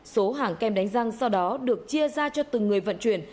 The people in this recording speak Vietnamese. số hàng kem đánh răng sau đó được chia ra cho từng người vận chuyển